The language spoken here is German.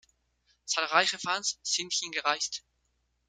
Zahlreiche Fans sind hingereist.